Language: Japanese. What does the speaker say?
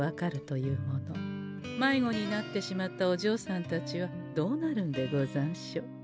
迷子になってしまったおじょうさんたちはどうなるんでござんしょう。